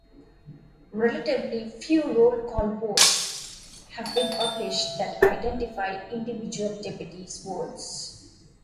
Relatively few roll call votes have been published that identify individual deputies' votes.